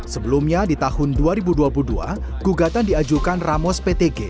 sebelumnya di tahun dua ribu dua puluh dua gugatan diajukan ramos ptg